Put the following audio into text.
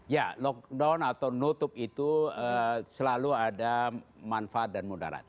ya lockdown atau nutup itu selalu ada manfaat dan mudarat